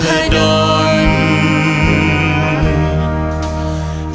รักทั้งหมุนทั้งหมุน